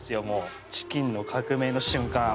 もうチキンの革命の瞬間